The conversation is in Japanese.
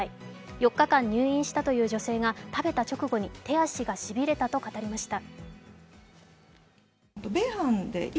４日間入院したという女性が食べたあとに手足がしびれたと語りました。